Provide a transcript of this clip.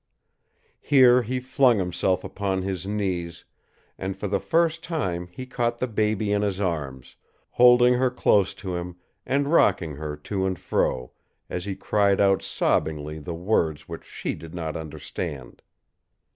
Here he flung himself upon his knees, and for the first time he caught the baby in his arms, holding her close to him, and rocking her to and fro, as he cried out sobbingly the words which she did not understand.